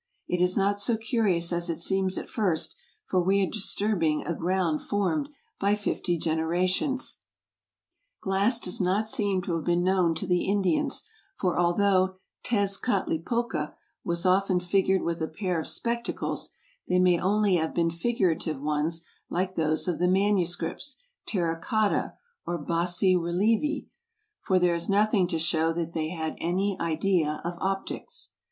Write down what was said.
It is not so curious as it seems at first, for we are disturbing a ground formed by fifty generations. Glass does not seem to have been known to the Indians, for although Tezcatlipoca was often figured with a pair of spectacles, they may only have been figurative ones like those of the manuscripts, terra cotta, or bassi relievi, for there is nothing to show that they had any idea of optics.